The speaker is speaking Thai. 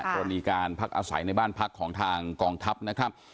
กรณีการพักอาศัยในบ้านพักของทางกองทัพนะครับ